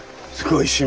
すごい。